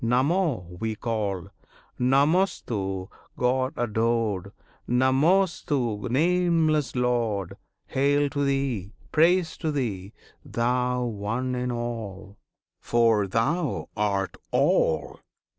Namo! we call; Namostu! God adored! Namostu! Nameless Lord! Hail to Thee! Praise to Thee! Thou One in all; For Thou art All!